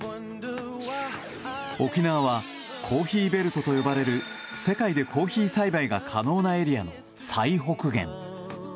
沖縄はコーヒーベルトと呼ばれる世界でコーヒー栽培が可能なエリアの最北限。